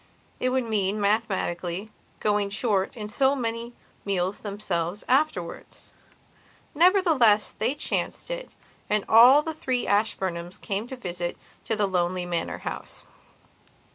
It would mean, mathematically, going short in so many meals themselves, afterwards. Nevertheless, they chanced it, and all the three Ashburnhams came on a visit to the lonely manor house.